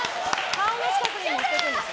顔の近くに持ってくるんです。